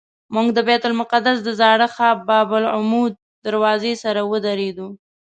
موږ د بیت المقدس د زاړه ښار باب العمود دروازې سره ودرېدو.